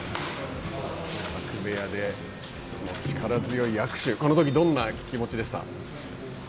力強い握手、このときどんな気持ちでした？